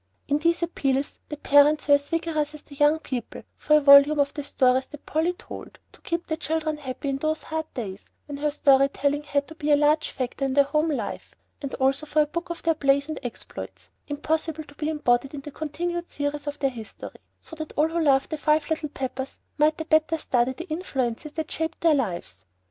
In these appeals, the parents were as vigorous as the young people for a volume of the stories that Polly told, to keep the children happy in those hard days when her story telling had to be a large factor in their home life; and also for a book of their plays and exploits, impossible to be embodied in the continued series of their history, so that all who loved the "Five Little Peppers" might the better study the influences that shaped their lives.